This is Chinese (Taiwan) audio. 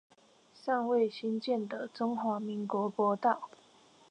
尚未興建的中華民國國道